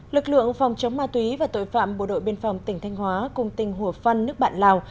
lực lượng phòng chống ma túy và tội phạm bộ đội biên phòng tỉnh thanh hóa cùng tỉnh hùa phân nước bạn lào